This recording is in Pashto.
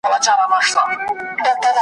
هر راپور ځانګړی هدف لري.